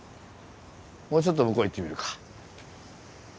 もうちょっと向こう行ってみるか。